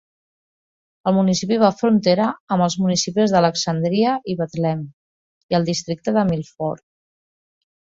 El municipi fa frontera amb els municipis de Alexandria i Bethlehem, i el districte de Milford.